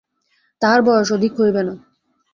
তাহার বয়স অধিক হইবে না।